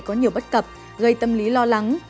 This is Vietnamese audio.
có nhiều bất cập gây tâm lý lo lắng